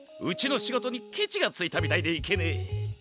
うちのしごとにケチがついたみたいでいけねえ。